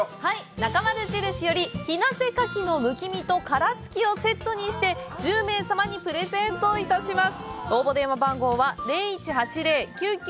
なかまる印より日生かきむき身＆殻付きのセットにして１０名様にプレゼントします。